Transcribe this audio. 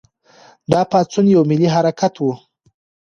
دا پاڅون یو ملي حرکت و.